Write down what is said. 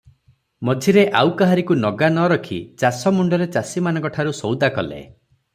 ମଝିରେ ଆଉ କାହାରିକୁ ନଗା ନ ରଖି ଚାଷମୁଣ୍ଡରେ ଚାଷୀମାନଙ୍କଠାରୁ ସଉଦା କଲେ ।